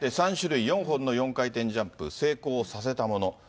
３種類４本の４回転ジャンプ、成功させたもの。